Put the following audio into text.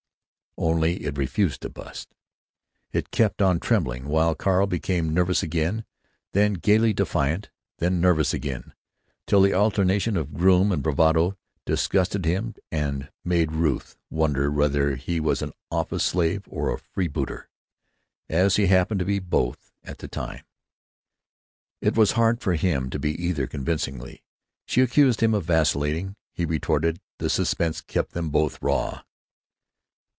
Only, it refused to bust. It kept on trembling, while Carl became nervous again, then gaily defiant, then nervous again, till the alternation of gloom and bravado disgusted him and made Ruth wonder whether he was an office slave or a freebooter. As he happened to be both at the time, it was hard for him to be either convincingly. She accused him of vacillating; he retorted; the suspense kept them both raw....